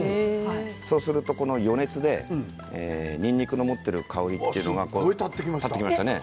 そうすると余熱でにんにくの持っている香りというのが。すごく立ってきましたね。